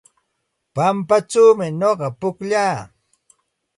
Pampachawmi nuqa pukllaa.